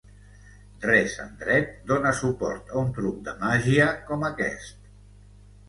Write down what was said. Res en Dret dona suport a un truc de màgia com aquest.